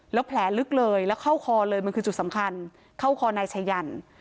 แล้วแผลลึกเลยแล้วเข้าคอเลยมันคือจุดสำคัญเข้าคอนายชายัน